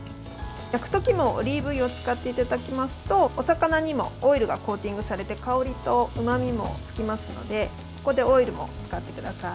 焼く時もオリーブ油を使っていただきますとお魚にもオイルがコーティングされて香りとうまみもつきますのでここでオイルも使ってください。